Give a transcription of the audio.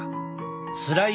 つらい